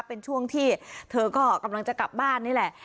เป็นช่วงที่เธอก็กำลังจะกลับบ้านนี่แหละ